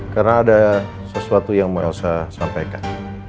karena ada sesuatu yang mau elsa sampaikan